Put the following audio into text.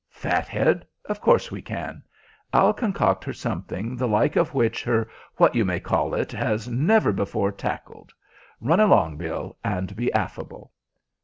"Fathead, of course we can. I'll concoct her something the like of which her what you may call it has never before tackled. Run along, Bill, and be affable."